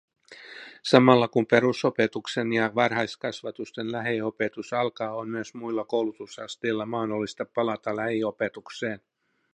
Samalla kun perusopetuksen ja varhaiskasvatusten lähiopetus alkaa, on myös muilla koulutusasteilla mahdollista palata lähiopetukseen.